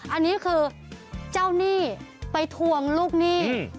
อันนี้คือเจ้าหนี้ไปทวงลูกหนี้